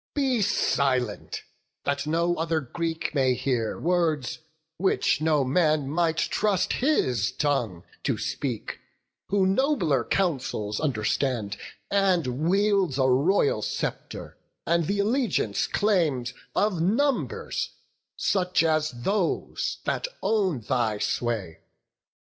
Be silent, that no other Greek may hear Words, which no man might trust his tongue to speak, Who nobler counsels understands, and wields A royal sceptre, and th' allegiance claims Of numbers, such as those that own thy sway.